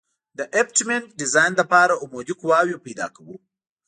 د ابټمنټ ډیزاین لپاره عمودي قواوې پیدا کوو